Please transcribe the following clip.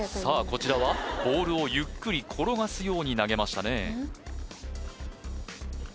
こちらはボールをゆっくり転がすように投げましたね